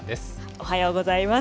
おはようございます。